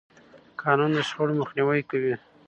قانون د شخړو مخنیوی کوي.